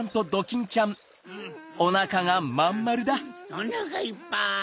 おなかいっぱい！